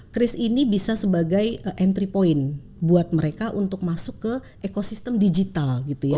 kris ini bisa sebagai entry point buat mereka untuk masuk ke ekosistem digital gitu ya